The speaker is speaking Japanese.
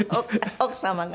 奥様が？